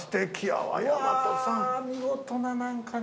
うわ見事な何かね。